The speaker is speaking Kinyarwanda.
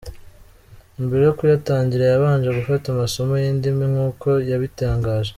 Mbere yo kuyatangira yabanje gufata amasomo y’indimi nk’uko yabitangaje.